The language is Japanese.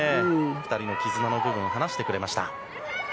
２人の絆の部分も話してくれました。